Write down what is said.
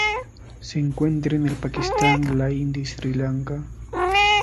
Se encuentra en el Pakistán, la India y Sri Lanka.